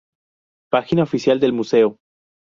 Página oficial del Museo